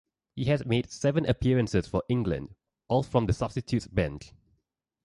He has made seven appearances for England, all from the substitutes' bench.